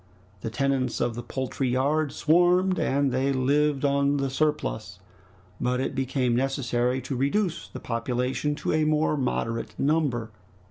The tenants of the poultry yard swarmed, and they lived on the surplus, but it became necessary to reduce the population to a more moderate number.